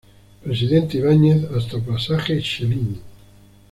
Presidente Ibáñez hasta Pasaje Chelín.